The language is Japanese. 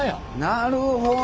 なるほど！